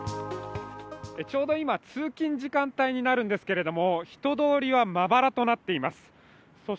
ちょうど今、通勤時間帯になるんですけれども、人通りはまばらとなっています。